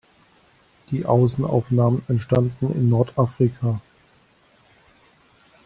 Die Außenaufnahmen entstanden in Nordafrika.